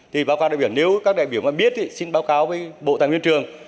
thì báo cáo đại biểu nếu các đại biểu mà biết thì xin báo cáo với bộ tài nguyên trường